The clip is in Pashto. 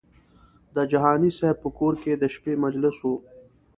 د جهاني صاحب په کور کې د شپې مجلس و.